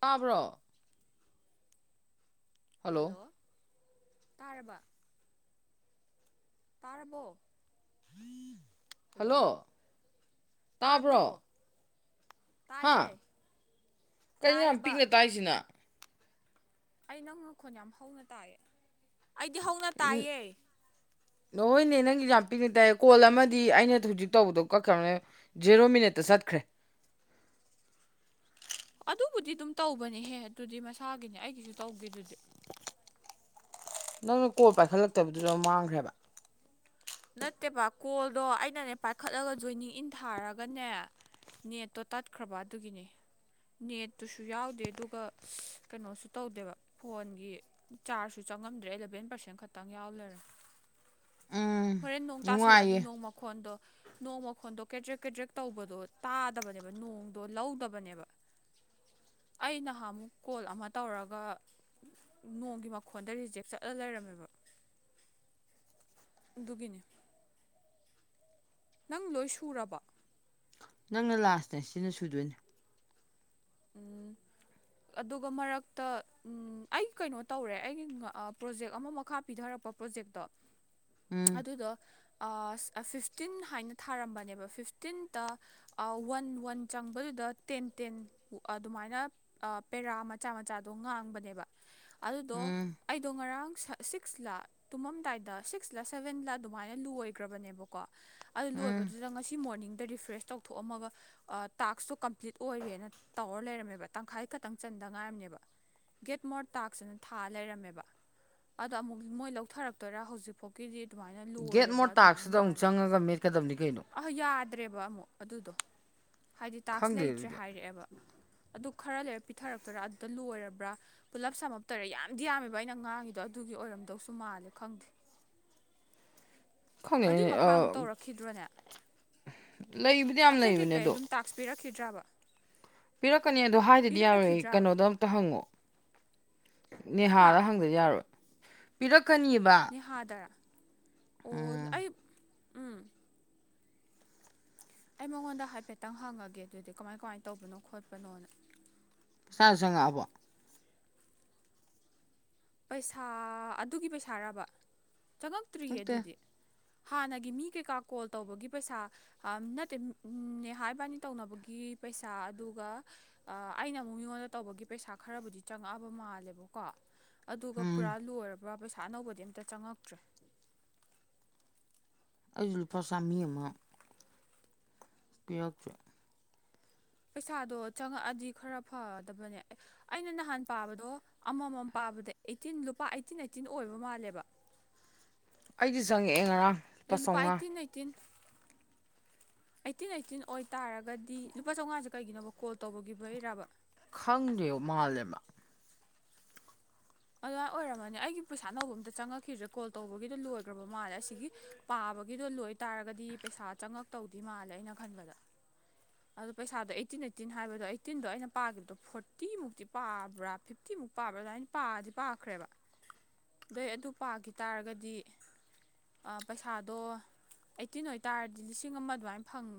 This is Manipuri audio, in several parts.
ꯇꯥꯕ꯭ꯔꯣ ꯍꯜꯂꯣ ꯇꯥꯔꯕ ꯇꯥꯔꯕꯣ ꯍꯜꯂꯣ ꯇꯥꯕ꯭ꯔꯣ ꯍꯥ ꯇꯥꯏꯌꯦ ꯀꯩ ꯌꯥꯝ ꯇꯥꯏꯌꯦꯕ ꯄꯤꯛꯅ ꯇꯥꯏꯁꯤꯅ ꯑꯩ ꯅꯪ ꯉꯈꯣꯟ ꯌꯥꯝ ꯍꯧꯅ ꯇꯥꯏꯌꯦ ꯑꯩꯗꯤ ꯍꯧꯅ ꯇꯥꯏꯌꯦ ꯅ ꯍꯣꯏꯅꯦ ꯅꯪꯗꯤ ꯌꯥꯝ ꯄꯤꯛꯅ ꯇꯥꯏꯦ ꯀꯣꯜ ꯑꯃꯗꯤ ꯑꯩꯅ ꯍꯧꯖꯤꯛ ꯇꯧꯕꯗꯣ ꯀꯛꯈ꯭ꯔꯕꯅꯦ ꯖꯦꯔꯣ ꯃꯤꯅꯠꯇ ꯆꯠꯈ꯭ꯔꯦ ꯑꯗꯨꯕꯨꯗꯤ ꯑꯗꯨꯝ ꯇꯧꯕꯅꯤꯍꯦ ꯑꯗꯨꯗꯤ ꯃꯁꯥꯒꯤꯅꯤ ꯑꯩꯒꯤꯁꯨ ꯇꯧꯒꯦꯗꯨꯗꯤ ꯅꯪꯅ ꯀꯣꯜ ꯄꯥꯏꯈꯠꯂꯛꯇꯕꯗꯨꯗ ꯃꯥꯡꯈ꯭ꯔꯦꯕ ꯅꯠꯇꯦꯕ ꯀꯣꯜꯗꯣ ꯑꯩꯅꯅꯦ ꯄꯥꯏꯈꯠꯂꯒ ꯖꯣꯏꯅꯤꯡ ꯏꯟ ꯊꯥꯔꯒꯅꯦ ꯅꯦꯠꯇꯣ ꯇꯥꯠꯈ꯭ꯔꯕ ꯑꯗꯨꯒꯤꯅꯦ ꯅꯦꯠꯇꯨꯁꯨ ꯌꯥꯎꯗꯦ ꯑꯗꯨꯒ ꯀꯩꯅꯣꯁꯨ ꯇꯧꯗꯦꯕ ꯐꯣꯟꯒꯤ ꯆꯥꯔꯖꯁꯨ ꯆꯪꯉꯝꯗ꯭ꯔꯦ ꯑꯦꯂꯚꯦꯟ ꯄꯥꯔꯁꯦꯟ ꯈꯛꯇꯪ ꯌꯥꯎ ꯂꯩꯔꯦ ꯎꯝ ꯍꯣꯔꯦꯟ ꯅꯣꯡ ꯇꯥꯁꯜꯂꯛꯑꯗꯤ ꯅꯨꯡꯉꯥꯏꯌꯦ ꯅꯣꯡ ꯃꯈꯣꯟꯗꯣ ꯅꯣꯡ ꯃꯈꯣꯟꯗꯣ ꯀꯦꯗ꯭ꯔꯦꯛ ꯀꯦꯗ꯭ꯔꯦꯛ ꯇꯧꯕꯗꯣ ꯇꯥꯗꯕꯅꯦꯕ ꯅꯣꯡꯗꯣ ꯂꯧꯗꯕꯅꯦꯕ ꯑꯩ ꯅꯍꯥꯟ ꯑꯃꯨꯛ ꯀꯣꯜ ꯑꯃ ꯇꯧꯔꯒ ꯅꯣꯡꯒꯤ ꯃꯈꯣꯟꯗ ꯔꯤꯖꯦꯛ ꯆꯠꯂ ꯂꯩꯔꯝꯃꯦꯕ ꯗꯨꯕꯤꯅꯤ ꯅꯪ ꯂꯣꯏ ꯁꯨꯔꯕ ꯅꯪꯅ ꯂꯥꯁꯅꯦ ꯁꯤꯅ ꯁꯨꯗꯣꯏꯅꯦ ꯎꯝ ꯑꯗꯨꯒ ꯃꯔꯛꯇ ꯑꯩ ꯀꯩꯅꯣ ꯇꯧꯔꯦ ꯑꯩꯒꯤ ꯄ꯭ꯔꯣꯖꯦꯛ ꯑꯃ ꯃꯈꯥ ꯄꯤꯊꯔꯛꯄ ꯄ꯭ꯔꯣꯖꯦꯛꯇꯣ [inaudible] ꯑꯗꯨꯗꯣ ꯐꯤꯐꯇꯤꯟ ꯍꯥꯏꯅ ꯊꯥꯔꯝꯕꯅꯦꯕ ꯐꯤꯐꯇꯤꯟꯇ ꯋꯥꯟ ꯋꯥꯟ ꯆꯪꯕꯗꯨꯗ ꯇꯦꯟ ꯇꯦꯟ ꯑꯗꯨꯃꯥꯏꯅ ꯄꯦꯔꯥ ꯃꯆꯥ ꯃꯆꯥꯗꯣ ꯉꯥꯡꯕꯅꯦꯕ ꯑꯗꯨꯗꯣ ꯎꯝ ꯑꯩꯗꯣ ꯉꯔꯥꯡ ꯁꯤꯛꯁ ꯂꯥꯛ ꯇꯨꯝꯃꯝꯗꯥꯏꯗ ꯁꯤꯛꯁꯂ ꯁꯚꯦꯟꯂ ꯑꯗꯨꯃꯥꯏꯅ ꯂꯨ ꯑꯣꯏꯈ꯭ꯔꯕꯅꯦꯕꯀꯣ ꯑꯗꯨ ꯎꯝ ꯂꯣꯏꯕꯗꯨꯗ ꯉꯁꯤ ꯃꯣꯔꯅꯤꯡꯗ ꯔꯤꯐ꯭ꯔꯦꯁ ꯇꯧꯊꯣꯛꯑꯝꯃꯒ ꯇꯥꯛꯁꯇꯣ ꯀꯝꯄ꯭ꯂꯤꯠ ꯑꯣꯏꯔꯦꯅ ꯇꯥꯋꯔ ꯂꯩꯔꯝꯃꯦꯕ ꯇꯪꯈꯥꯏ ꯈꯛꯇꯪ ꯆꯟꯗ ꯉꯥꯏꯔꯝꯅꯦꯕ ꯒꯦꯠ ꯃꯣꯔꯠ ꯇꯥꯛꯁꯤꯅ ꯊꯥ ꯂꯩꯔꯝꯃꯦꯕ ꯑꯗꯣ ꯑꯃꯨꯛ ꯃꯣꯏ ꯂꯧꯊꯔꯛꯇꯣꯏꯔꯥ ꯍꯧꯖꯤꯛ ꯐꯣꯛꯀꯤꯗꯤ ꯑꯗꯨꯃꯥꯏꯅ ꯂꯣꯏꯔꯕ ꯑꯗꯨꯃꯥꯏꯅ ꯃꯥꯜꯂꯦ ꯀꯀꯗꯗꯝꯅꯤ ꯀꯩꯅꯣ ꯑꯍ ꯌꯥꯗ꯭ꯔꯦꯕ ꯑꯃꯨꯛ ꯑꯗꯨꯗꯣ ꯍꯥꯏꯗꯤ ꯇꯥꯛꯁ ꯈꯪꯗꯦ ꯂꯩꯇ꯭ꯔꯦ ꯑꯗꯨꯗꯤ ꯍꯥꯏꯔꯛꯑꯦꯕ ꯑꯗꯨ ꯈꯔ ꯂꯩꯔ ꯄꯤꯊꯔꯛꯇꯣꯏꯔꯥ ꯑꯗꯨꯗ ꯂꯣꯏꯔꯕ꯭ꯔꯥ ꯄꯨꯜꯂꯞ ꯁꯝꯃꯞꯇꯔꯦ ꯌꯥꯝꯗꯤ ꯌꯥꯝꯃꯦꯕ ꯑꯩꯅ ꯉꯥꯡꯉꯤꯗꯣ ꯑꯗꯨꯒꯤ ꯑꯣꯏꯔꯝꯗꯧꯁꯨ ꯃꯥꯜꯂꯦ ꯈꯪꯗꯦ ꯈꯉ ꯑꯗꯨꯏ ꯑ ꯃꯈꯥꯃꯨꯛ ꯇꯧꯔꯛꯈꯤꯗ꯭ꯔꯣꯅꯦ ꯂꯩ ꯑꯇꯩ ꯀꯩꯀꯩ ꯑꯗꯨꯝ ꯇꯥꯛꯁꯄꯤꯔꯛꯈꯤꯗ꯭ꯔꯕ ꯄꯤꯔꯛꯀꯅꯤ ꯑꯗꯣ ꯍꯥꯏꯗꯗꯤ ꯌꯥꯎꯔꯣꯏ ꯀꯩꯅꯣꯗꯣ ꯑꯝꯇ ꯍꯪꯉꯛ ꯍꯥ ꯅꯦꯍꯥꯗ ꯍꯪꯗ ꯌꯥꯔꯣꯏ ꯄꯤꯔꯛꯀꯅꯤꯕ ꯍꯥꯥꯗꯔ ꯎꯝ ꯎꯝ ꯑꯩ ꯃꯉꯣꯟꯗ ꯍꯥꯏꯐꯦꯠꯇꯪ ꯍꯪꯉꯒꯦ ꯑꯗꯨꯗꯤ ꯀꯃꯥꯏ ꯀꯃꯥꯏ ꯇꯧꯕꯅꯣ ꯈꯣꯠꯄꯅꯣꯅ ꯄꯩꯁꯥꯁꯨ ꯆꯪꯉꯛꯑꯕ ꯄꯩꯁꯥ ꯑꯗꯨꯒꯤ ꯄꯩꯁꯥꯔꯕ ꯆꯪꯉꯛꯇ꯭ꯔꯤꯌꯦ ꯅꯠꯇꯦ ꯑꯗꯨꯗꯤ ꯍꯥꯟꯅꯒꯤ ꯃꯤ ꯀꯩꯀꯥ ꯀꯣꯜ ꯇꯧꯕꯒꯤ ꯄꯩꯁꯥ ꯑ ꯅꯠꯇꯦ ꯅ ꯍꯥꯏꯕꯥꯅꯤ ꯇꯧꯅꯕꯒꯤ ꯄꯩꯁꯥ ꯑꯗꯨꯒ ꯑ ꯑꯩꯅ ꯑꯃꯨꯛ ꯃꯤꯉꯣꯟꯗ ꯇꯧꯕꯒꯤ ꯄꯩꯁꯥ ꯈꯔꯕꯨꯗꯤ ꯆꯪꯉꯛꯑꯕ ꯃꯥꯜꯂꯦꯕꯀꯣ ꯑꯗꯨꯒ ꯄꯨꯔꯥ ꯎꯝ ꯂꯣꯏꯔꯕꯥ ꯄꯩꯁꯥ ꯑꯅꯧꯕꯗꯤ ꯑꯝꯇ ꯆꯪꯉꯛꯇ꯭ꯔꯦ ꯑꯗꯨ ꯂꯄꯥ ꯁꯃꯌ ꯑꯃ ꯀꯠꯆꯦ ꯄꯩꯁꯥꯗꯣ ꯆꯪꯉꯛꯑꯗꯤ ꯈꯔ ꯐꯗꯕꯅꯦ ꯑꯩꯅ ꯅꯍꯥꯟ ꯄꯥꯕꯗꯣ ꯑꯃꯃꯝ ꯄꯥꯕꯗ ꯑꯩꯠꯇꯤꯟ ꯂꯨꯄꯥ ꯑꯩꯠꯇꯤꯟ ꯑꯩꯠꯇꯤꯟ ꯑꯣꯏꯕ ꯃꯥꯜꯂꯦꯕ ꯑꯩꯗꯤ ꯆꯪꯉꯛꯑꯦ ꯉꯔꯥꯡ ꯂꯨꯄꯥ ꯍꯂ ꯄ ꯆꯥꯝꯃꯉꯥ ꯑꯇꯩꯅ ꯑꯠꯇꯅ ꯑꯩꯠꯇꯤꯟ ꯑꯩꯠꯇꯤꯟ ꯑꯣꯏꯇꯥꯥꯔꯒꯗꯤ ꯂꯨꯄꯥ ꯆꯧꯃꯉꯥꯁꯦ ꯀꯩꯒꯤꯅꯣꯕ ꯀꯣꯜ ꯇꯧꯕꯒꯤꯕꯩꯔꯕ ꯈꯪꯗꯦ ꯃꯥꯜꯂꯦꯕ ꯑꯗꯨꯃꯥꯏꯅ ꯑꯣꯏꯔꯝꯃꯥꯅꯤ ꯑꯩꯒꯤ ꯄꯩꯁꯥ ꯑꯅꯧꯕ ꯑꯝꯇ ꯆꯪꯉꯛꯈꯤꯗ꯭ꯔꯦ ꯀꯣꯜ ꯇꯧꯕꯒꯤꯗꯣ ꯂꯣꯏꯈ꯭ꯔꯕ ꯃꯥꯜꯂꯦ ꯑꯁꯤꯒꯤ ꯄꯥꯕꯒꯤꯗꯣ ꯂꯣꯏ ꯇꯥꯔꯒꯗꯤ ꯄꯩꯁꯥ ꯆꯪꯉꯛꯇꯧꯗꯤ ꯃꯥꯜꯂꯦ ꯑꯩꯅ ꯈꯟꯕꯗ ꯑꯗꯣ ꯄꯩꯁꯥꯗꯣ ꯑꯩꯠꯇꯤꯟ ꯑꯩꯠꯇꯤꯟ ꯍꯥꯏꯕꯗꯣ ꯑꯩꯠꯇꯤꯟꯗꯣ ꯑꯩꯅ ꯄꯥꯈꯤꯕꯗꯣ ꯐꯣꯔꯇꯤꯃꯨꯛꯇꯤ ꯄꯥꯕ꯭ꯔꯥ ꯐꯤꯐꯇꯤꯃꯨꯛ ꯄꯥꯕ꯭ꯔ ꯑꯗꯨꯃꯥꯏꯅ ꯄꯥꯗꯤ ꯄꯥꯈ꯭ꯔꯦꯕ [unintelligible] ꯗꯩ ꯑꯗꯨ ꯄꯥꯈꯤ ꯇꯥꯔꯒꯗꯤ ꯑꯥ ꯄꯩꯁꯥꯗꯣ ꯑꯩꯠꯇꯤꯟ ꯑꯣꯏꯇꯥꯔꯗꯤ ꯂꯤꯁꯤꯡ ꯑꯃ ꯑꯗꯨꯃꯥꯏꯅ ꯐꯪ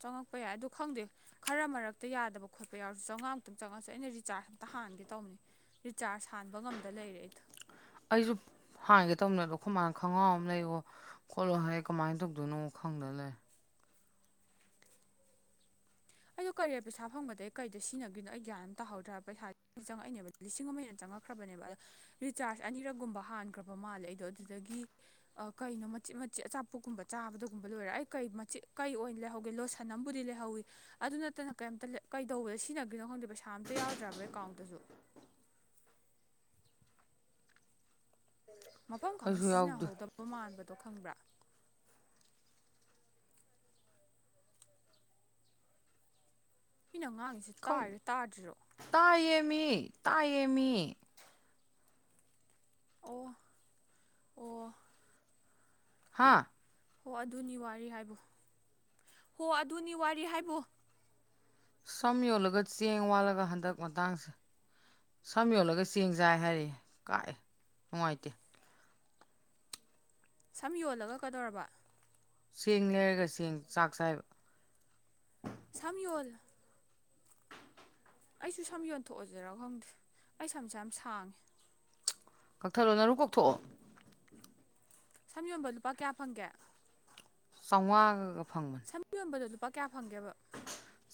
ꯆꯪꯉꯛꯄ ꯌꯥꯏ ꯑꯗꯨ ꯈꯪꯗꯦ ꯈꯔ ꯃꯔꯛꯇ ꯌꯥꯗꯕ ꯈꯣꯠꯄ ꯌꯥꯎꯔꯁꯨ ꯆꯧꯉꯥꯃꯨꯛꯇꯪ ꯆꯪꯉꯛꯑꯁꯨ ꯑꯩꯅ ꯔꯤꯆꯥꯔꯖ ꯑꯝꯇ ꯍꯥꯟꯒꯦ ꯇꯧꯕꯅꯦ ꯔꯤꯆꯥꯔꯖ ꯍꯥꯟꯕ ꯉꯝꯗ ꯂꯩꯔꯦ ꯑꯩꯗꯣ ꯑꯩꯁꯨ ꯍꯥꯡꯒꯦ ꯇꯧꯅꯦꯗꯣ ꯈꯣꯃꯥꯅ ꯈꯣꯡꯒ꯭ꯔꯥꯎ ꯑꯃ ꯂꯩꯋꯣ ꯈꯣꯠꯂꯣ ꯍꯥꯏ ꯀꯃꯥꯏꯅ ꯇꯧꯗꯣꯏꯅꯣ ꯈꯪꯗ ꯂꯩ ꯑꯩꯗꯣ ꯀꯥꯔꯌꯥ ꯄꯩꯁꯥ ꯐꯪꯕꯗꯩ ꯀꯩꯗ ꯁꯤꯖꯤꯟꯅꯈꯤꯅꯣ ꯑꯩ ꯒ꯭ꯌꯥꯟ ꯇꯥꯍꯧꯗ꯭ꯔꯦ ꯄꯩꯁꯥꯗꯤ ꯆꯪꯉꯛꯏꯅꯦꯕ ꯂꯤꯁꯤꯡ ꯑꯃ ꯍꯦꯟꯅ ꯆꯪꯉꯛꯈ꯭ꯔꯕꯅꯦꯕ ꯑꯗꯣ ꯔꯤꯆꯥꯔꯖ ꯑꯅꯤꯔꯛꯒꯨꯝꯕ ꯍꯥꯟꯈ꯭ꯔꯕ ꯃꯥꯜꯂꯦ ꯑꯩꯗꯣ ꯑꯗꯨꯗꯒꯤ ꯀꯩꯅꯣ ꯃꯆꯤꯠ ꯃꯆꯤꯠ ꯑꯆꯥꯄꯣꯠꯀꯨꯝꯕ ꯆꯥꯕꯗꯒꯨꯝꯕ ꯂꯣꯏꯔꯦ ꯑꯩ ꯀꯩ ꯃꯆꯤꯠ ꯀꯩ ꯑꯣꯏꯅ ꯂꯩꯍꯧꯒꯦ ꯂꯣ- ꯁꯟ ꯑꯃꯕꯨꯗꯤ ꯂꯩꯍꯧꯋꯤ ꯑꯗꯨ ꯅꯠꯇꯅ ꯀꯩꯝꯇ ꯀꯩꯗꯧꯕꯗ ꯁꯤꯖꯤꯟꯅꯈ꯭ꯔꯤꯅꯣ ꯈꯪꯗꯦ ꯄꯩꯁꯥ ꯑꯝꯇ ꯌꯥꯎꯗ꯭ꯔꯦꯕ ꯑꯦꯀꯥꯎꯟꯇꯁꯨ ꯃꯐꯝ ꯈꯪꯅ ꯑꯩꯁꯨ ꯌꯥꯎꯗꯦ ꯁꯤꯖꯤꯟꯅꯍꯧꯗꯕ ꯃꯥꯟꯕꯗꯣ ꯈꯪꯕ꯭ꯔꯥ ꯃꯤꯅ ꯉꯥꯡꯉꯤꯁꯤ ꯇꯥꯔꯤꯔꯣ ꯇꯥꯗ꯭ꯔꯤꯔꯣ ꯇꯥꯏꯌꯦꯃꯤ ꯇꯥꯏꯌꯦꯃꯤ ꯑꯣ ꯑꯣ ꯍꯥ ꯍꯣ ꯑꯗꯨꯅꯤ ꯋꯥꯔꯤ ꯍꯥꯏꯕꯨ ꯍꯣ ꯑꯗꯨꯅꯤ ꯋꯥꯔꯤ ꯍꯥꯏꯕꯨ ꯁꯝ ꯌꯣꯜꯂꯒ ꯆꯦꯡ ꯋꯥꯜꯂꯒ ꯍꯟꯗꯛ ꯃꯇꯥꯡꯁꯦ ꯁꯝ ꯌꯣꯜꯂꯒ ꯆꯦꯡ ꯆꯥꯏ ꯍꯥꯏꯔꯤ ꯀꯥꯏ ꯅꯨꯡꯉꯥꯏꯇꯦ ꯁꯝ ꯌꯣꯜꯂꯒ ꯀꯗꯧꯔꯕ ꯆꯦꯡ ꯂꯩꯔꯒ ꯆꯦꯡ ꯆꯥꯛ ꯆꯥꯏꯕ ꯁꯝ ꯌꯣꯜꯂꯥ ꯑꯩꯁꯨ ꯁꯝ ꯌꯣꯟꯊꯣꯛ ꯑꯁꯤꯔꯥ ꯈꯪꯗꯦ ꯑꯩ ꯁꯝꯁꯦ ꯌꯥꯝ ꯁꯥꯡꯉꯦ ꯀꯛꯊꯠꯂꯣ ꯅꯔꯨ ꯀꯣꯛꯊꯣꯛꯑꯣ ꯁꯝ ꯌꯣꯟꯕ ꯂꯨꯄꯥ ꯀꯌꯥ ꯐꯪꯒꯦ ꯆꯧꯉꯥꯒꯒ ꯐꯪꯕꯅꯦ ꯁꯝ ꯌꯣꯟꯕꯗꯥ ꯂꯨꯄꯥ ꯀꯌꯥ ꯐꯪꯒꯦꯕ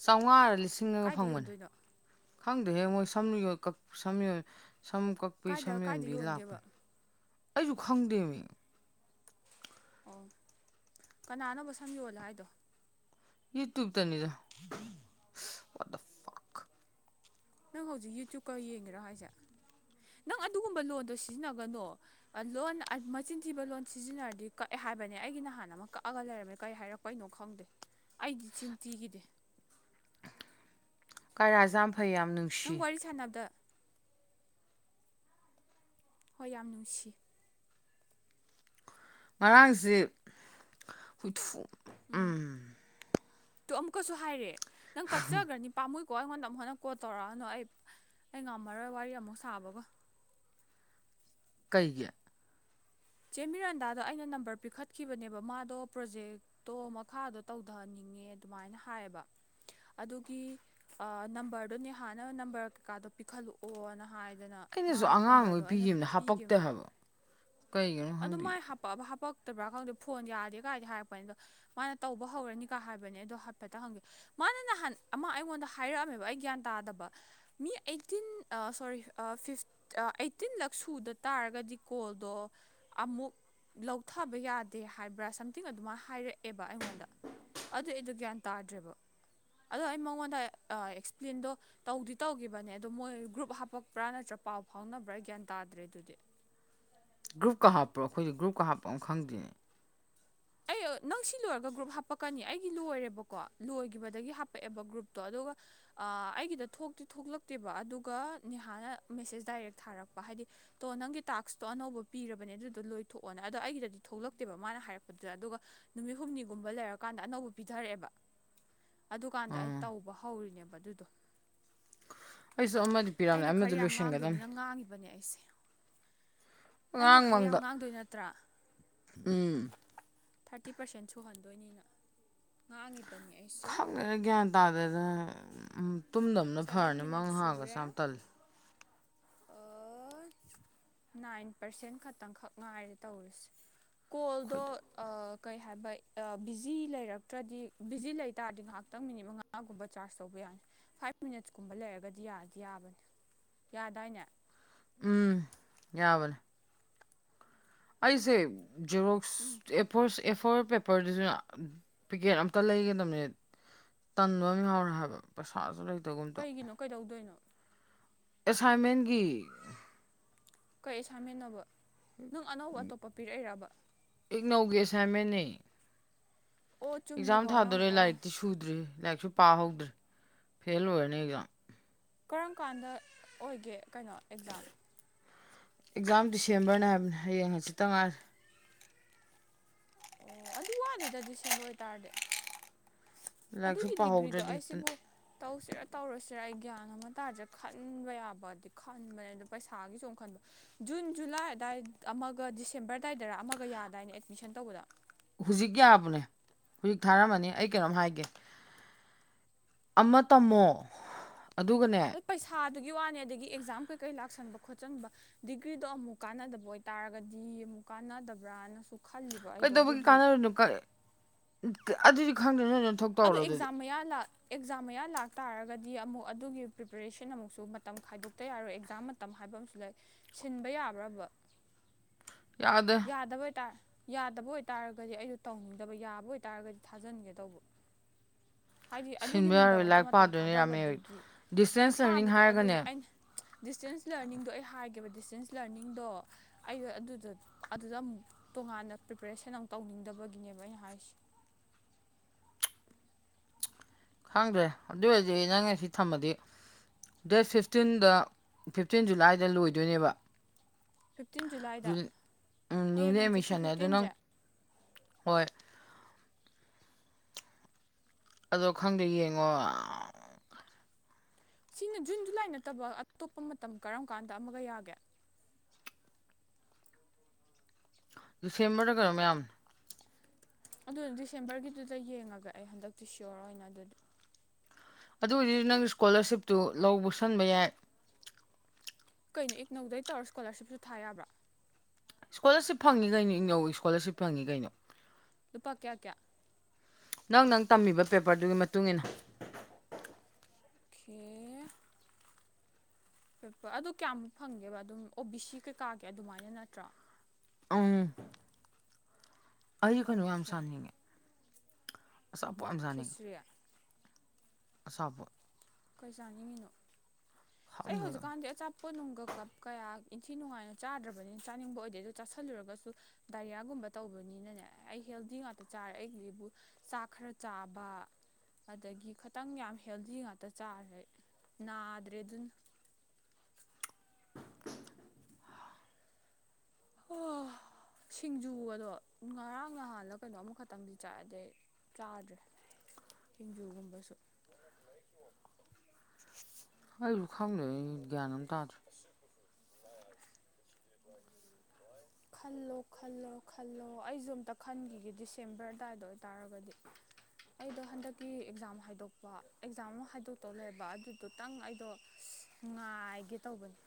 ꯆꯧꯉꯥꯔ ꯂꯤꯁꯤꯡꯂꯥꯒ ꯀꯥꯏꯗ ꯐꯪꯕꯅꯦ ꯌꯣꯟꯗꯣꯏꯅꯣ ꯈꯪꯗꯦꯍꯦ ꯃꯣꯏ ꯁꯝ ꯌꯣꯀꯛ ꯁꯝ ꯌꯣ ꯁꯝ ꯀꯛꯄꯤ ꯁꯝ ꯀꯥꯏꯗ ꯀꯥꯏꯗ ꯌꯣꯟꯕꯤ ꯌꯣꯟꯒꯦꯕ ꯂꯥꯛꯄꯅꯤ ꯑꯩꯁꯨ ꯈꯪꯗꯦꯃꯤ ꯑꯣ ꯀꯅꯥꯅꯣꯕ ꯁꯝ ꯌꯣꯜꯂꯣ ꯍꯥꯏꯗꯣ ꯌꯨ ꯇꯨꯕꯇꯅꯤꯗ ꯅꯪ ꯍꯧꯖꯤꯛ ꯌꯨ ꯇꯌꯨꯕꯀ ꯌꯦꯡꯉꯤꯔꯥ ꯍꯥꯏꯁꯦ ꯅꯪ ꯑꯗꯨꯒꯨꯝꯕ ꯂꯣꯟꯗꯣ ꯁꯤꯖꯤꯟꯅꯒꯅꯣ ꯂꯣꯟ ꯃꯆꯤꯟ ꯊꯤꯕ ꯂꯣꯟ ꯁꯤꯖꯤꯟꯅꯔꯗꯤ ꯀꯛꯑꯦ ꯍꯥꯏꯕꯅꯦ ꯑꯩꯒꯤ ꯅꯍꯥꯟ ꯑꯃ ꯀꯛꯑꯒ ꯂꯩꯔꯝꯃꯦ ꯀꯩ ꯍꯥꯏꯔꯛ- ꯄꯩꯅꯣ ꯈꯪꯗꯦ ꯑꯩꯗꯤ ꯆꯤꯟꯊꯤꯈꯤꯗꯦ ꯀꯥꯔꯌꯥꯁꯦ ꯌꯥꯝ ꯐꯩ ꯌꯥꯝ ꯅꯪ ꯅꯨꯡꯁꯤ ꯋꯥꯔꯤ ꯁꯥꯟꯅꯕꯗ ꯍꯣꯏ ꯌꯥꯝ ꯅꯨꯡꯁꯤ ꯉꯔꯥꯡꯁꯤ [unintelligible] ꯎꯝ ꯇꯣ ꯑꯃꯨꯛꯀꯁꯨ ꯍꯥꯏꯔꯦ ꯅꯪ ꯀꯛꯆꯒ꯭ꯔꯅꯤ ꯄꯥꯝꯃꯨꯏꯀꯣ ꯑꯩꯉꯣꯟꯗ ꯑꯃꯨꯛ ꯍꯟꯅ ꯀꯣꯜ ꯇꯧꯔꯛꯑꯅꯨ ꯑꯩ ꯑꯩ ꯉꯝꯃꯔꯣꯏ ꯋꯥꯔꯤ ꯑꯃꯨꯛ ꯁꯥꯕꯒ ꯀꯩꯒꯤ ꯆꯦ ꯃꯤꯔꯟꯗꯥꯗꯣ ꯑꯩꯅ ꯅꯝꯕꯔ ꯄꯤꯈꯠꯈꯤꯕꯅꯦꯕ ꯃꯥꯗꯣ ꯄ꯭ꯔꯣꯖꯦꯛ ꯇꯣ ꯃꯈꯥꯗꯣ ꯇꯧꯗꯅꯤꯡꯉꯦ ꯑꯗꯨꯃꯥꯏꯅ ꯍꯥꯏꯌꯦꯕ ꯑꯗꯨꯒꯤ ꯑ ꯅꯝꯕꯔꯗꯨ ꯅꯤꯍꯥꯅ ꯅꯝꯕꯔ ꯀꯩꯀꯥꯗꯣ ꯄꯤꯈꯠꯂꯛꯑꯣꯅ ꯍꯥꯏꯗꯅ ꯑꯩꯅꯁꯨ ꯃꯥꯥꯏ ꯑꯉꯥꯡ ꯑꯣꯏ ꯅꯝꯕꯔꯗꯣ ꯑꯩꯅ ꯄꯤꯈꯤꯕꯅꯦ ꯄꯤꯒꯤꯝ ꯍꯥꯄꯛꯇꯦ ꯍꯥꯏꯕ ꯀꯩꯒꯤꯅꯣ ꯑꯗꯣ ꯈꯪꯗꯦ ꯃꯥꯏ ꯍꯥꯛꯄꯛꯑꯕ ꯍꯥꯞꯄꯛꯇꯕ꯭ꯔꯥ ꯈꯪꯗꯦ ꯐꯣꯟ ꯌꯥꯗꯦ ꯒꯥꯏꯗꯤ ꯍꯥꯏꯔꯛꯄꯅꯤ ꯑꯗꯣ ꯃꯥꯅ ꯇꯧꯕ ꯍꯧꯔꯅꯤꯀꯥ ꯍꯥꯏꯕꯅꯦ ꯑꯗꯣ ꯍꯥꯏꯐꯦꯠꯇ ꯍꯪꯒꯦ ꯃꯥꯅ ꯅꯍꯥꯟ ꯑꯃ ꯑꯩꯉꯣꯟꯗ ꯍꯥꯏꯔꯛꯑꯝꯃꯦꯕ ꯑꯩ ꯒ꯭ꯌꯥꯟ ꯇꯥꯗꯕ ꯃꯤ ꯑꯩꯠꯇꯤꯟ ꯑ ꯁꯣꯔꯤ ꯐꯤꯐ ꯑꯩꯠꯇꯤꯟ ꯂꯛ ꯁꯨꯗ ꯇꯥꯔꯒꯗꯤ ꯀꯣꯜꯗꯣ ꯑꯃꯨꯛ ꯂꯧꯊꯥꯕ ꯌꯥꯗꯦ ꯍꯥꯏꯕ꯭ꯔꯥ ꯁꯝꯊꯤꯡ ꯑꯗꯨꯃꯥꯏꯅ ꯍꯥꯏꯔꯛꯑꯦꯕ ꯑꯩꯉꯣꯟꯗ ꯑꯗꯨ ꯑꯩꯗꯨ ꯒ꯭ꯌꯥꯟ ꯇꯥꯗ꯭ꯔꯦꯕ ꯑꯗꯣ ꯑꯩ ꯃꯉꯣꯟꯗ ꯑꯦꯛꯁꯄ꯭ꯂꯦꯟꯗꯣ ꯇꯧꯗꯤ ꯇꯧꯈꯤꯕꯅꯦ ꯑꯗꯣ ꯃꯣꯏ ꯒ꯭ꯔꯨꯞ ꯍꯥꯞꯄꯛꯄ꯭ꯔꯥ ꯅꯠꯇ꯭ꯔ ꯄꯥꯎ ꯐꯥꯎꯅꯕ꯭ꯔꯥ ꯒ꯭ꯌꯥꯟ ꯇꯥꯗ꯭ꯔꯦ ꯑꯗꯨꯗꯤ ꯒ꯭ꯔꯨꯞꯀ ꯍꯥꯞꯄ꯭ꯔꯣ ꯑꯩꯈꯣꯏ ꯒ꯭ꯔꯨꯞꯀ ꯍꯥꯞꯄ ꯑꯝ ꯈꯪꯗꯦꯌꯦ ꯑꯩ ꯅꯪ ꯁꯤ ꯂꯣꯏꯔꯒ ꯒ꯭ꯔꯨꯞ ꯍꯥꯄꯛꯀꯅꯤ ꯑꯩꯒꯤ ꯂꯣꯏꯔꯦꯕꯀꯣ ꯂꯣꯏꯈꯤꯕꯗꯒꯤ ꯍꯥꯄꯛꯑꯦꯕ ꯒ꯭ꯔꯨꯞꯇꯣ ꯑꯗꯨꯒ ꯑꯩꯒꯤꯗ ꯊꯣꯛꯇꯤ ꯊꯣꯛꯂꯛꯇꯦꯕ ꯑꯗꯨꯒ ꯅꯤꯍꯥꯅ ꯃꯦꯁꯦꯁ ꯗꯥꯏꯔꯦꯛ ꯊꯥꯔꯛꯄ ꯍꯥꯏꯗꯤ ꯇꯣ ꯅꯪꯒꯤ ꯇꯥꯛꯁꯇꯣ ꯑꯅꯧꯕ ꯄꯤꯔꯕꯅꯦ ꯑꯗꯨꯗꯣ ꯂꯣꯏꯊꯣꯛꯑꯣꯅ ꯑꯗꯣ ꯑꯩꯒꯤꯗꯗꯤ ꯊꯣꯛꯂꯛꯇꯦꯕ ꯃꯥꯅ ꯍꯥꯏꯔꯞ ꯑꯗꯨꯗ ꯑꯗꯨꯒ ꯅꯨꯃꯤꯠ ꯍꯨꯝꯅꯤꯒꯨꯝꯕ ꯂꯩꯔꯀꯥꯟꯗ ꯑꯅꯧꯕ ꯄꯤꯊꯔꯛꯑꯦꯕ ꯑꯗꯨꯀꯥꯟꯗ ꯑꯩ ꯑꯥ ꯇꯧꯕ ꯍꯧꯔꯤꯅꯦꯕ ꯑꯗꯨꯗꯣ ꯑꯩꯁꯨ ꯑꯃꯗꯤ ꯄꯤꯔꯝꯅꯦ ꯑꯩꯅ ꯑꯃꯗꯤ ꯈꯔ ꯌꯥꯝ ꯂꯣꯏꯁꯤꯟꯒꯗꯝꯕꯅꯤ ꯉꯥꯡꯗꯣꯏꯅꯤꯅ ꯉꯥꯡꯉꯤꯕꯅꯦ ꯑꯩꯁꯦ ꯑꯩꯅ ꯑꯉꯥꯡ ꯈꯔ ꯌꯥꯝ ꯃꯪꯗ ꯉꯥꯡꯗꯣꯏ ꯅꯠꯇ꯭ꯔꯥ ꯎꯝ ꯊꯥꯔꯇꯤ ꯄꯥꯔꯁꯦꯟ ꯁꯨꯍꯟꯗꯣꯏꯅꯤꯅ ꯉꯥꯡꯉꯤꯕꯅꯤ ꯑꯩꯁ ꯈꯪꯗꯦꯗ ꯒ꯭ꯌꯥꯟ ꯇꯥꯗꯅ ꯇꯨꯝꯗꯝꯅ ꯁꯚꯦꯟ ꯐꯔꯅꯤ ꯃꯪ ꯃꯤꯅꯠ ꯍꯥꯡꯒꯁꯤ ꯁꯨꯔꯦ ꯌꯥꯝ ꯇꯜꯂꯤ ꯑꯣ ꯅꯥꯏꯟ ꯄꯥꯔꯁꯦꯟ ꯈꯛꯇꯪꯈꯛ ꯉꯥꯏꯔꯦ ꯇꯧꯔꯁꯦ ꯀꯣꯜꯗꯣ ꯑꯩꯈꯣꯏꯗ ꯑ ꯀꯩ ꯍꯥꯏꯕꯩ ꯑꯩ ꯕꯤꯖꯤ ꯂꯩꯔꯛꯇ꯭ꯔꯗꯤ ꯕꯤꯖꯤ ꯂꯩꯇꯥꯥꯔꯗꯤ ꯉꯥꯏꯍꯥꯛꯇꯪ ꯃꯤꯅꯤꯠ ꯃꯉꯥꯒꯨꯝꯕ ꯆꯥꯔꯖ ꯇꯧꯕ ꯌꯥꯅꯤ ꯐꯥꯏꯚ ꯃꯤꯅꯠꯁ ꯀꯨꯝꯕ ꯂꯩꯔꯒꯗꯤ ꯌꯥꯗꯤ ꯌꯥꯕꯅꯤ ꯇꯥꯏꯅꯦ ꯎꯝ ꯌꯥꯕꯅꯦ ꯑꯩꯁꯦ ꯖꯦꯔꯣꯛꯁ ꯎꯝ ꯑꯦꯐꯣꯔꯁ ꯑꯦꯐꯣꯔ ꯄꯦꯄꯔꯗꯨꯅ ꯄꯤꯀꯦꯠ ꯑꯝꯇ ꯂꯩꯒꯗꯕꯅꯦ ꯇꯟꯕ ꯑꯃ ꯌꯥꯎꯔꯦ ꯍꯥꯏꯕ ꯄꯩꯁꯥꯁꯨ ꯂꯩꯇ ꯀꯩꯒꯤꯅꯣ ꯀꯩꯗꯧꯗꯣꯏꯅꯣ ꯑꯦꯁꯥꯏꯃꯦꯟꯒꯤ ꯀꯩ ꯑꯁꯥꯏꯃꯦꯟꯅꯣꯕ ꯅꯪ ꯑꯅꯧꯕ ꯑꯇꯣꯞꯄ ꯄꯤꯔꯛꯏꯔꯕ ꯏꯛꯅꯧꯒꯤ ꯑꯦꯁꯥꯏꯃꯦꯟꯅꯦ ꯑꯣ ꯑꯦꯛꯖꯥꯝ ꯆꯨꯝꯃꯤꯀꯣ ꯅꯪ ꯊꯥꯗꯣꯔꯦ ꯑꯣ ꯂꯥꯏꯔꯤꯛꯇꯤ ꯁꯨꯗ꯭ꯔꯤ ꯂꯥꯏꯔꯤꯛꯁꯨ ꯄꯥ ꯍꯧꯗ꯭ꯔꯦ ꯐꯦꯜ ꯑꯣꯏꯔꯅꯤ ꯑꯦꯛꯖꯥꯝ ꯀꯔꯝ ꯀꯥꯟꯗ ꯑꯣꯏꯒꯦ ꯀꯩꯅꯣ ꯑꯦꯛꯖꯥꯝ ꯑꯦꯛꯖꯥꯝ ꯗꯤꯁꯦꯝꯕꯔꯅꯦ ꯍꯥꯏꯕꯅꯦ ꯍꯌꯦꯡ ꯍꯥꯆꯤꯠꯇ ꯉꯥꯏꯔꯦ ꯑꯣ ꯑꯗꯨ ꯋꯥꯠꯂꯤꯗ ꯗꯤꯁꯦꯝꯕꯔ ꯑꯣꯏ ꯇꯥꯔꯗꯤ ꯂꯥꯏꯔꯤꯛꯁꯨ ꯑꯗꯨꯒꯤ ꯗꯤꯒ꯭ꯔꯤꯗꯣ ꯄꯥꯍꯧꯗ꯭ꯔꯗꯤ ꯍꯦꯛꯇ ꯑꯩꯁꯤꯕꯨ ꯇꯧꯁꯤꯔꯥ ꯇꯧꯔꯣꯏꯁꯤꯔꯥ ꯑꯩ ꯒ꯭ꯌꯥꯟ ꯑꯃ ꯇꯥꯗꯔꯦ ꯈꯟꯕ ꯌꯥꯕꯗꯤ ꯈꯟꯕꯅꯦ ꯑꯗꯨꯗ ꯄꯩꯁꯥꯒꯤꯁꯨ ꯑꯃ ꯈꯟꯕ ꯖꯨꯟ ꯖꯨꯂꯥꯏ ꯑꯗꯥꯏ ꯑꯃꯒ ꯗꯤꯁꯦꯝꯕꯔ ꯑꯗꯥꯏꯗꯔ ꯑꯃꯒ ꯌꯥꯗꯥꯏꯅ ꯑꯦꯠꯃꯤꯁꯟ ꯇꯧꯕꯗꯣ ꯍꯧꯖꯤꯛ ꯌꯥꯕꯅꯦ ꯍꯧꯖꯤꯛ ꯊꯥꯔꯝꯃꯅꯤ ꯑꯩ ꯀꯩꯅꯣꯝ ꯍꯥꯏꯒꯦ ꯑꯃ ꯇꯝꯃꯣ ꯑꯗꯨꯒꯅꯦ ꯄꯩꯁꯥꯗꯨꯒꯤ ꯋꯥꯅꯤ ꯑꯗꯒꯤ ꯑꯦꯛꯖꯥꯝ ꯀꯩꯀꯩ ꯂꯥꯛꯁꯟꯕ ꯈꯣꯠꯆꯟꯕ ꯗꯤꯒ꯭ꯔꯤꯗꯣ ꯑꯃꯨꯛ ꯀꯥꯟꯅꯗꯕ ꯑꯣꯏꯇꯥꯔꯒꯗꯤ ꯑꯃꯨꯛ ꯀꯥꯟꯅꯗꯕ꯭ꯔꯅꯁꯨ ꯀꯩꯗꯧꯕꯒꯤ ꯀꯥꯟꯅ ꯀ ꯑꯗꯨꯗꯤ ꯈꯪꯗꯗ꯭ꯔꯦ ꯅꯣꯏ‌ ꯅꯣꯏ ꯊꯣꯛ ꯑꯗꯣ ꯇꯧꯔꯣ ꯑꯗꯨꯗꯤ ꯑꯦꯛꯖꯥꯝ ꯃꯌꯥ ꯂꯥꯛ ꯑꯦꯛꯖꯥꯝ ꯃꯌꯥ ꯂꯥꯛꯇꯥꯥꯔꯒꯗꯤ ꯑꯃꯨꯛ ꯑꯗꯨꯒꯤ ꯄ꯭ꯔꯤꯄꯦꯔꯦꯁꯟ ꯑꯃꯨꯛꯁꯨ ꯃꯇꯝ ꯈꯥꯏꯗꯣꯛꯇ ꯌꯥꯔꯣꯏ ꯑꯦꯛꯖꯥꯝ ꯃ ꯇ ꯍꯥꯏꯕ ꯑꯃꯁꯨ ꯂꯩ ꯁꯤꯟꯕ ꯌꯥꯕ꯭ꯔꯕ ꯌꯥꯗ ꯌꯥꯗꯕ ꯑꯣꯏꯇꯥꯔ ꯌꯥꯗꯕ ꯑꯣꯏꯇꯥꯔꯒꯗꯤ ꯑꯩꯗꯣ ꯇꯧꯅꯤꯡꯗꯕ ꯌꯥꯕ ꯑꯣꯏꯇꯥꯔꯒꯗꯤ ꯊꯥꯖꯤꯟꯒꯦ ꯇꯧꯕ [inaudible] ꯍꯥꯏꯗꯤ ꯁꯤꯟꯕ ꯌꯥꯔꯣꯏ ꯑꯗꯨꯒꯤꯗꯃꯛꯇ ꯂꯥꯏꯔꯤꯛ ꯃꯇꯝ ꯄꯥꯗꯣꯏꯅꯦ ꯌꯥꯝꯃꯦ ꯊꯥꯗꯕꯗꯨꯗꯤ ꯂꯥꯏꯔꯤꯛ ꯗꯤꯁꯇꯦꯟꯁ ꯂꯔꯅꯤꯡ ꯄꯥꯕꯗꯣ ꯍꯥꯏꯔꯒꯅꯦ ꯑꯗꯨꯅꯦ ꯑꯩꯅ ꯗꯤꯁꯇꯦꯟꯁ ꯂꯔꯅꯤꯡꯗꯣ ꯑꯩ ꯍꯥꯏꯒꯦꯕ ꯗꯤꯁꯇꯦꯟꯁ ꯂꯔꯅꯤꯡꯗꯣ ꯑꯩꯗ ꯑꯗꯨꯗ ꯑꯗꯨꯗ ꯑꯃꯨꯛ ꯇꯣꯉꯥꯟꯅ ꯄ꯭ꯔꯤꯄꯦꯔꯦꯁꯟ ꯑꯃꯨꯛ ꯇꯧꯅꯤꯡꯗꯕꯒꯤꯅꯦꯕ ꯑꯩꯅ ꯍꯥꯏꯔꯤꯁꯦ ꯈꯪꯗ꯭ꯔꯦ ꯑꯗꯨ ꯑꯣꯏꯔꯗꯤ ꯑꯩ ꯅꯪ ꯉ ꯁꯤ ꯊꯝꯃꯗꯤ ꯗꯦꯠ ꯐꯤꯐꯇꯤꯟꯗ ꯐꯤꯐꯇꯤꯟ ꯖꯨꯂꯥꯏꯗ ꯂꯣꯏꯗꯣꯏꯅꯦꯕ ꯐꯤꯐꯇꯤꯟ ꯖꯨꯂꯥꯏꯗ ꯍꯌꯦꯡ ꯅ꯭ꯌꯨꯅꯦ ꯍꯪꯆꯤꯠꯀꯤ ꯃꯤꯁꯟꯅꯦ ꯑꯗ ꯅꯪ ꯐꯤꯐꯇꯤꯟꯁꯦ ꯍꯣꯏ ꯑꯗꯣ ꯈꯪꯗꯦ ꯌꯦꯡꯉꯣ ꯁꯤꯅ ꯖꯨꯟ ꯖꯨꯂꯥꯏ ꯅꯠꯇꯕ ꯑꯇꯣꯞꯄ ꯃꯇꯝ ꯀꯔꯝ ꯀꯥꯟꯗ ꯑꯃꯒ ꯌꯥꯒꯦ ꯗꯤꯁꯦꯝꯕꯔꯗ ꯀꯩꯅꯣ ꯃꯌꯥꯝ ꯑꯗꯨ ꯗꯤꯁꯦꯝꯕꯔꯒꯤꯗꯨꯗ ꯌꯦꯡꯉꯒ ꯑꯩ ꯍꯟꯗꯛꯇꯤ ꯁꯤꯌꯣꯔ ꯑꯣꯏꯅ ꯑꯗꯨꯗꯤ ꯑꯗꯨ ꯑꯣꯏꯔꯗꯤ ꯅꯪ ꯏꯁꯀꯣꯂꯥꯔꯁꯤꯞꯇꯨ ꯂ ꯄꯨꯁꯟꯕ ꯌꯥꯏ ꯀꯩꯅꯣ ꯑꯦꯛ ꯅꯣꯏ ꯇꯧꯔ ꯁꯀꯣꯂꯔꯁꯤꯞꯁꯨ ꯊꯥ ꯌꯥꯕ꯭ꯔꯥ ꯏꯁ꯭ꯀꯣꯂꯔꯁꯤꯞ ꯐꯪꯉꯤ ꯀꯩꯅꯣ ꯏꯅꯧꯒꯤ ꯏꯁꯀꯣꯂꯔꯁꯤꯞ ꯐꯪꯉꯤ ꯀꯩꯅꯣ ꯂꯨꯄꯥ ꯀꯌꯥ ꯀꯌꯥ ꯅꯪ ꯅꯪ ꯇꯝꯃꯤꯕ ꯄꯦꯄꯔꯗꯨꯒꯤ ꯃꯇꯨꯡ ꯏꯟꯅ ꯈꯦ ꯑꯗꯨ ꯀꯌꯥꯃꯨꯛ ꯐꯪꯒꯦꯕ ꯑꯗꯨꯝ ꯑꯣ ꯕꯤ ꯁꯤ ꯀꯩꯀꯥꯒꯤ ꯑꯗꯨꯃꯥꯏꯅ ꯅꯠꯇ꯭ꯔꯣ ꯑ ꯑꯩ ꯀꯩꯅꯣ ꯌꯥꯝ ꯑꯣꯀꯦ ꯁꯥꯥꯟꯅꯤꯡꯉꯦ ꯑꯁꯥ ꯄꯣꯥꯝ ꯆꯅꯤꯡꯉ ꯈꯦꯆ꯭ꯔꯤ ꯁꯥꯕ ꯀꯩ ꯆꯥꯅꯤꯡꯉꯤꯅꯣ ꯑꯩ ꯑꯩ ꯈꯪꯗꯦ ꯍꯧꯖꯤꯛꯀꯥꯟꯗꯤ ꯑꯆꯥꯄ ꯄꯣꯠ ꯅꯨꯡꯒ ꯀꯞ ꯀꯌꯥ ꯏꯟꯊꯤ ꯅꯨꯡꯉꯥꯏꯅ ꯆꯥꯗ꯭ꯔꯕꯅꯤꯅ ꯆꯥꯅꯤꯡꯕ ꯑꯣꯏꯗꯦ ꯑꯗꯨ ꯆꯥꯥꯁꯜꯂꯨꯔꯒꯁꯨ ꯗꯥꯏꯔꯤꯌꯥꯒꯨꯝꯕ ꯇꯧꯕꯅꯤꯅꯅꯦ ꯑꯩ ꯍꯦꯜꯗꯤ ꯉꯥꯛꯇ ꯆꯥꯔꯦ ꯑꯩꯒꯤꯕꯨ ꯆꯥꯛ ꯈꯔ ꯆꯥꯕ ꯑꯗꯒꯤ ꯈꯤꯇꯪ ꯌꯥꯝ ꯍꯦꯜꯗꯤ ꯉꯥꯛꯇ ꯆꯥꯔꯦ ꯅꯥꯗ꯭ꯔꯦ ꯑꯗꯨꯅ [inaudible] ꯁꯤꯡꯖꯨ ꯑꯗꯣ ꯉꯔꯥꯡ ꯅꯍꯥꯟꯒ ꯀꯩꯅꯣ ꯑꯃꯛꯈꯛꯇꯪꯗꯤ ꯆꯥꯛꯑꯗꯩ ꯆꯥꯗ꯭ꯔꯦ ꯁꯤꯡꯖꯨꯒꯨꯝꯕꯁꯨ ꯑꯥꯏꯂꯨ ꯈꯪꯅ ꯒꯌꯥꯟ ꯑꯃ ꯇꯗ ꯈꯜꯂꯣ ꯈꯜꯂꯣ ꯈꯜꯂꯣ ꯑꯩꯁꯨ ꯑꯝꯇ ꯈꯟꯈꯤꯒꯦ ꯗꯤꯁꯦꯝꯕꯔ ꯑꯗꯨꯗꯥꯏꯗ ꯑꯣꯏꯇꯥꯔꯒꯗꯤ ꯑꯩꯗꯣ ꯍꯟꯗꯛꯀꯤ ꯑꯦꯛꯖꯥꯝ ꯍꯥꯏꯗꯣꯛꯄ ꯑꯦꯛꯖꯥꯝ ꯑꯃ ꯍꯥꯏꯗꯣꯛꯇꯧ ꯂꯩꯕ ꯑꯗꯨꯗꯨꯇꯪ ꯑꯩꯗꯣ ꯉꯥꯏꯒꯦ ꯇꯧꯕꯅꯤ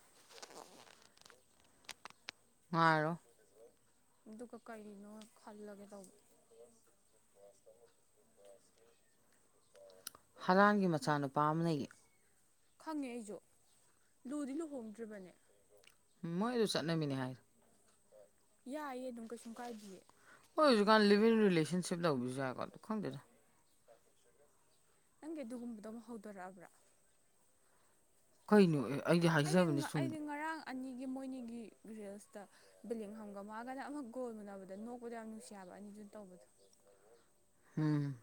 ꯉꯥꯏꯔꯣ ꯑꯗꯨꯒ ꯀꯅꯣ ꯈꯜꯂꯒꯦ ꯇꯧꯕ ꯍꯂꯥꯟꯒꯤ ꯃꯆꯥꯅꯨꯄꯥ ꯑꯃ ꯂꯩꯌꯦ ꯈꯪꯉꯦ ꯑꯩꯁꯨ ꯂꯨꯗꯤ ꯂꯨꯍꯣꯡꯗ꯭ꯔꯤꯕꯅꯦ ꯎꯝ ꯃꯣꯏ ꯑꯗꯨ ꯆꯠꯅꯃꯤꯅꯦ ꯍꯥꯏꯔꯣ ꯌꯥꯏꯌꯦ ꯑꯗꯨꯝ ꯀꯩꯁꯨꯝ ꯀꯥꯏꯗꯌꯦ ꯍꯣꯏ ꯍꯧꯖꯤꯛꯀꯥꯟ ꯂꯤꯚꯟꯔꯤꯂꯦꯁꯁꯤꯞ ꯂꯧꯕꯗꯨꯁꯨ ꯌꯥꯏꯀꯣꯗꯣ ꯈꯪꯗ꯭ꯔꯥ ꯅꯪꯒꯤ ꯑꯗꯨꯒꯨꯝꯕꯗꯣ ꯑꯃ ꯍꯧꯗꯣꯔꯛꯑꯕ꯭ꯔꯥ ꯀꯩꯅꯣ ꯑꯩꯗꯤ ꯍꯥꯏꯖꯕꯅꯦ ꯁꯨꯝꯗ ꯑꯩꯗꯤ ꯉꯔꯥꯡ ꯑꯅꯤꯒꯤ ꯃꯣꯏꯅꯤꯒꯤ ꯔꯤꯜꯁꯇ ꯕꯤꯂꯤꯡ ꯍꯝꯒ ꯃꯥꯒ ꯑꯃꯛꯒꯣꯜ ꯃꯨꯅꯕꯗ ꯅꯣꯛꯄꯗ ꯌꯥꯝ ꯅꯨꯡꯁꯤꯕ ꯑꯅꯤꯗꯨꯅ ꯇꯧꯕꯗꯣ ꯎꯝ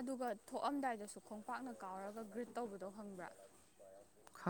ꯑꯗꯨꯒ ꯊꯣꯛꯑꯝꯗꯥꯏꯗꯁꯨ ꯈꯣꯡꯄꯥꯛꯅ ꯀꯥꯎꯔꯒ ꯒ꯭ꯔꯤꯠ ꯇꯧꯕꯗꯣ ꯍꯪꯕ꯭ꯔꯥ ꯈꯪ